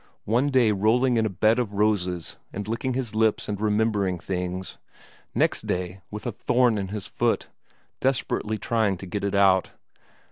One day rolling in a bed of roses and licking his lips and remembering things; next day with a thorn in his foot, desperately trying to get it out.